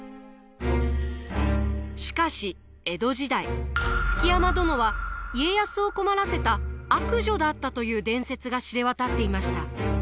しかし江戸時代築山殿は家康を困らせた悪女だったという伝説が知れ渡っていました。